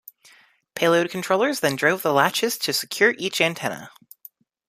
Payload controllers then drove the latches to secure each antenna.